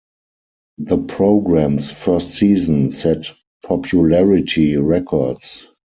The program's first season set popularity records.